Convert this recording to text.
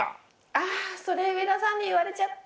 あそれ上田さんに言われちゃった。